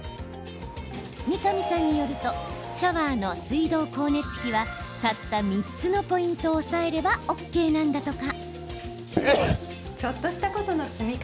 三神さんによるとシャワーの水道光熱費はたった３つのポイントを押さえればＯＫなんだとか。